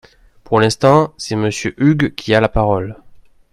Pour l’instant, c’est Monsieur Huyghe qui a la parole.